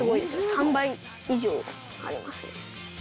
３倍以上あります。